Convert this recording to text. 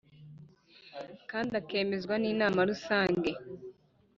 kandi akemezwa n Inama Rusange